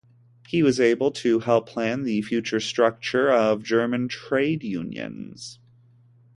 He was able to help plan the future structure of German trade unions.